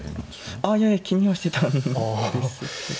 ああいやいや気にはしてたんですけど。